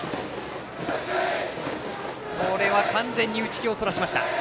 これは完全に打ち気をそらしました。